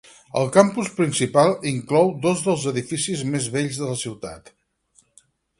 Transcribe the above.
El campus principal inclou dos dels edificis més vells de la ciutat.